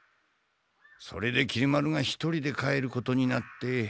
それできり丸が一人で帰ることになって。